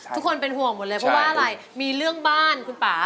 ทุกคนเป็นห่วงหมดเลยเพราะว่าอะไรมีเรื่องบ้านคุณป่า